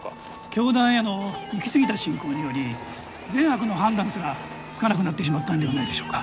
教団へのいきすぎた信仰により善悪の判断すらつかなくなってしまったのではないでしょうか。